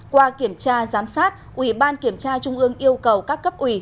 qua kiểm tra giám sát ủy ban kiểm tra trung ương yêu cầu các cấp ủy